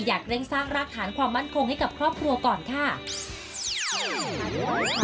เร่งสร้างรากฐานความมั่นคงให้กับครอบครัวก่อนค่ะ